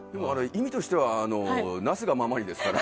意味としては「なすがままに」ですから。